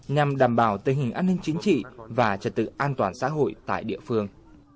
nhằm đảm bảo tình hình an ninh chính trị và trật tự an toàn xã hội tại địa phương